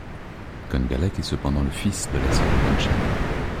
Congalach est cependant le fils de la sœur de Donnchad.